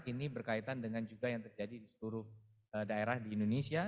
ini berkaitan dengan juga yang terjadi di seluruh daerah di indonesia